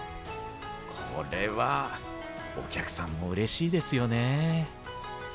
これはお客さんもうれしいですよね。